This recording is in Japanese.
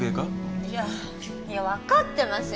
いやいやわかってますよ。